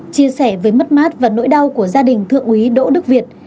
chia sẻ với mất mát và nỗi đau của gia đình thượng úy đỗ đức việt